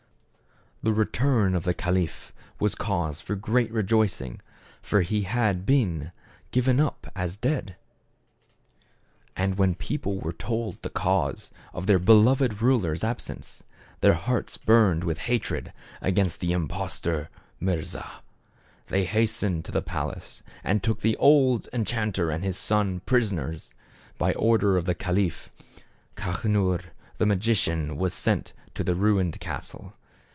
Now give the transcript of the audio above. The return of the caliph was cause for great rejoicing, for he had been given up as dead. And when the people were told the cause of their beloved ruler's absence, their hearts burned with hatred against the impostor Mirza. They hastened to the palace, and took the old en chanter and his son prisoners. By order of the caliph, Kaschnur the magician was sent to the ruined castle.